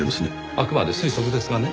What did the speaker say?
あくまで推測ですがね。